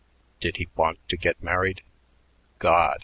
Did he want to get married? God!